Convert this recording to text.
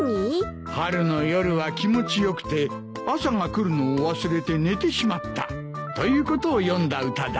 春の夜は気持ち良くて朝が来るのを忘れて寝てしまったということを詠んだ歌だ。